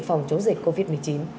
phòng chống dịch covid một mươi chín